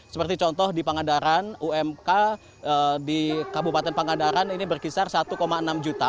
seperti contoh di pangandaran umk di kabupaten pangandaran ini berkisar satu enam juta